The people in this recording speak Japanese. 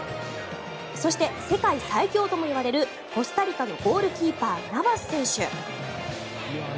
そして、世界最強ともいわれるコスタリカのゴールキーパーナバス選手。